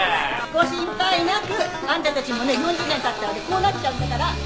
ご心配なくあんたたちもね４０年経ったらねこうなっちゃうんだから。